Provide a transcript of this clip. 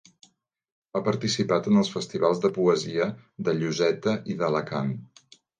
Ha participat en els festivals de poesia de Lloseta i d'Alacant.